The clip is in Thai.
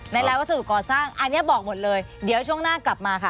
ในร้านวัสดุก่อสร้างอันนี้บอกหมดเลยเดี๋ยวช่วงหน้ากลับมาค่ะ